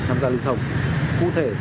tham gia linh thông cụ thể